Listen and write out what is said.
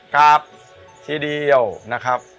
ครับทีเดียวนะครับ